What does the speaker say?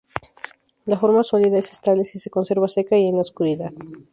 La forma sólida es estable si se conserva seca y en la oscuridad.